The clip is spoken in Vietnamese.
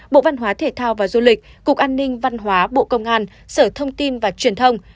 bộ văn hóa thể thao và du lịch cục an ninh văn hóa bộ công an sở thông tin và truyền thông